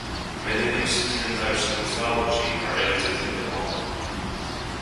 Many links to different types of mythology are evident in the novel.